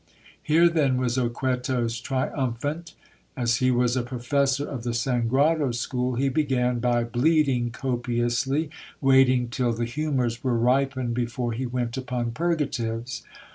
Here then was Oquetos triumphant As he was a professor of the Sangrado school, he began by bleeding copiously, waiting till the humours were ripened before he went upon purgatives.